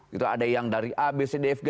gitu ada yang dari abcdfg